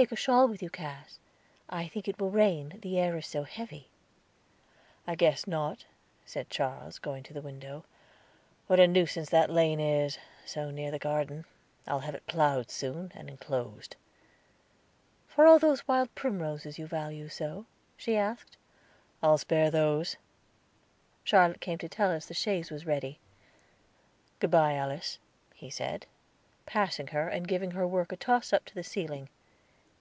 "Take a shawl with you, Cass; I think it will rain, the air is so heavy." "I guess not," said Charles, going to the window. "What a nuisance that lane is, so near the garden! I'll have it plowed soon, and enclosed." "For all those wild primroses you value so?" she asked. "I'll spare those." Charlotte came to tell us that the chaise was ready. "Good bye, Alice," he said, passing her, and giving her work a toss up to the ceiling.